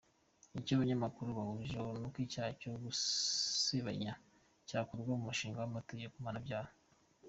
Icyo abanyamakuru bahurijeho ni uko icyaha cyo gusebanya cyakurwa mu mushinga w’amategeko mpanabyaha.